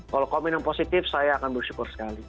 kalau komen yang positif saya akan bersyukur sekali